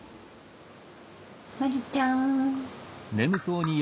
まりちゃん！